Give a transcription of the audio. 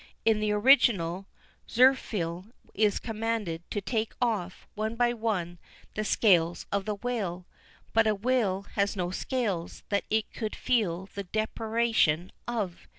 In the original, Zirphil is commanded to "take off, one by one, the scales of the whale;" but a whale has no scales that it could feel the deprivation of.